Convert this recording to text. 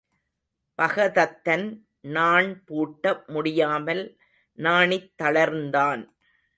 பகதத்தன் நாண் பூட்ட முடியாமல் நாணித் தளர்ந்தான்.